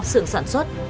sưởng sản xuất